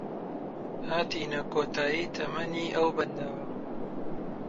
هاتینە کۆتایی تەمەنی ئەو بەنداوە